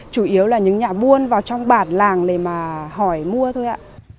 chủ yếu là những nhà buôn vào trong bản làng để mà hỏi mua thôi ạ